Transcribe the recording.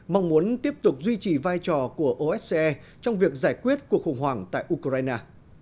mong muốn tiếp tục duy trì vai trò của osa trong việc giải quyết cuộc khủng hoảng tại ukraine